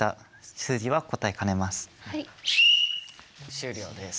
終了です。